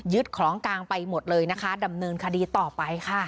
ของกลางไปหมดเลยนะคะดำเนินคดีต่อไปค่ะ